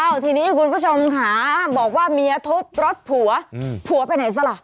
ทีนี้คุณผู้ชมค่ะบอกว่าเมียทุบรถผัวผัวไปไหนซะล่ะ